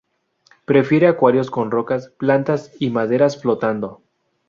Prefiere acuarios con rocas, plantas y maderas flotando.